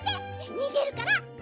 にげるから。